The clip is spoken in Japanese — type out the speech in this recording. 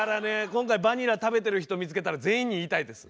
今回バニラ食べてる人見つけたら全員に言いたいです。